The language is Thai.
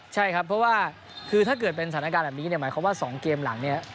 ใช่ครับเพราะว่าคือถ้าเกิดเป็นสถานการณ์แบบนี้เนี่ยหมายความว่า๒เกมหลังเนี่ย